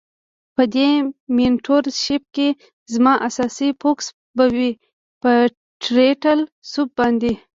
په دی مینټور شیپ کی زما اساسی فوکس به وی په ټرټل سوپ باندی.